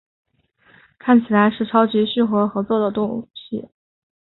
看起来是超级适合合作的东西